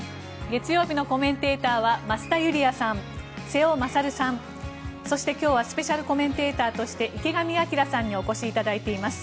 月曜日のコメンテーターは増田ユリヤさん、瀬尾傑さんそして今日はスペシャルコメンテーターとして池上彰さんにお越しいただいています。